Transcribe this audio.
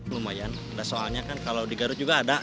lumayan soalnya kan kalau di garut juga ada